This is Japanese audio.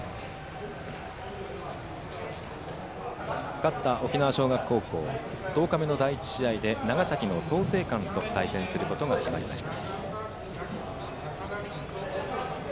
勝った沖縄尚学高校１０日目の第１試合で長崎の創成館と対戦することが決まりました。